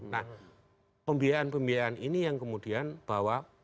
nah pembiayaan pembiayaan ini yang kemudian bahwa